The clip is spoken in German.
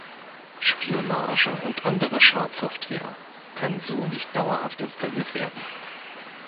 Spionage- und andere Schadsoftware kann so nicht dauerhaft installiert werden.